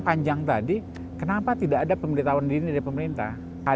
panjang tadi kenapa tidak ada pemerintah undi ini dari pemerintah